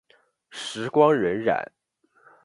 时光荏苒。